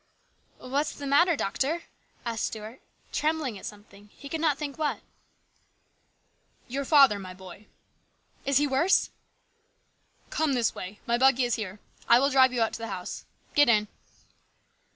''What's the matter, doctor?" asked Stuart, trembling at something, he could not think what. " Your father, my boy "" Is he worse ?"" Come this way ; my buggy is here. I will drive you out to the house. Get in."